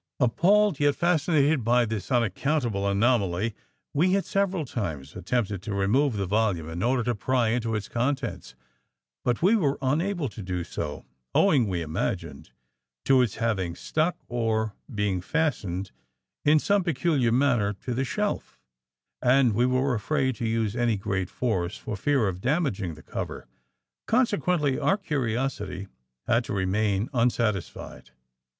Appalled yet fascinated by this unaccountable anomaly, we had several times attempted to remove the volume in order to pry into its contents but we were unable to do so, owing, we imagined, to its having stuck or being fastened in some peculiar manner to the shelf and we were afraid to use any great force for fear of damaging the cover; consequently our curiosity had to remain unsatisfied.